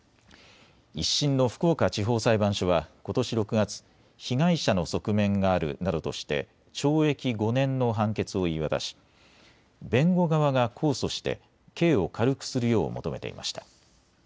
１審の福岡地方裁判所はことし６月、被害者の側面があるなどとして懲役５年の判決を言い渡し、弁護側が控訴して、刑を軽くするよう求めていました。